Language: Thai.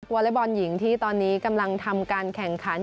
อเล็กบอลหญิงที่ตอนนี้กำลังทำการแข่งขัน